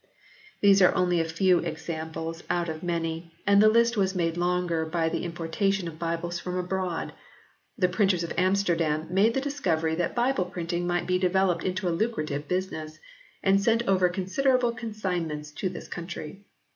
These are only a few examples out of many, and the list was made longer by the importation of Bibles from abroad. The printers of Amsterdam made the discovery that Bible printing might be developed into a lucrative business, and sent over considerable consignments to this country.